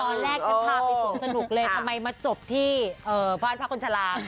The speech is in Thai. ตอนแรกฉันพาไปสวงสนุกเลยทำไมมาจบที่บ้านพระคนชะลา